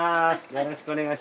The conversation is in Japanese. よろしくお願いします。